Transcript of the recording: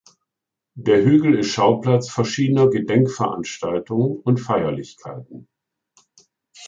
Der Hügel ist Schauplatz verschiedener Gedenkveranstaltungen und Feierlichkeiten.